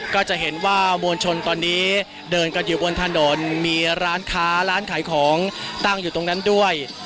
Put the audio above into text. ก็จะเห็นว่ามวลชนตอนนี้เดินกันอยู่บนถนนมีร้านค้าร้านขายของตั้งอยู่ตรงนั้นด้วย